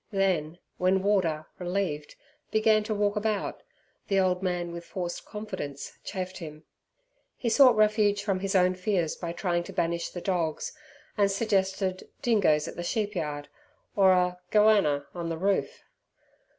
Then, when Warder, relieved, began to walk about, the old man with forced confidence chaffed him. He sought refuge from his own fears by trying to banish the dog's, and suggested dingoes at the sheepyard, or a "goanner" on the roof.